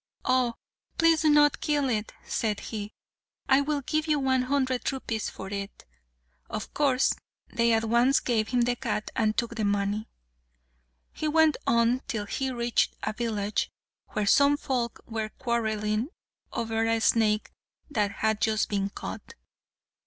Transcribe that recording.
"Oh! please do not kill it," said he; "I will give you one hundred rupees for it." Of course they at once gave him the cat and took the money. He went on till he reached a village, where some folk were quarrelling over a snake that had just been caught.